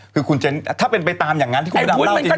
คือคุณเจนถ้าเป็นไปตามอย่างนั้นที่คุณพระดำเล่าจริง